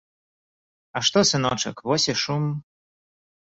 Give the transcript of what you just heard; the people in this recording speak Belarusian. А што, сыночак, вось і шум.